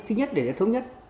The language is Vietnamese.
thứ nhất để nó thống nhất